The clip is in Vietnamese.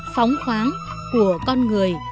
phóng khoáng của con người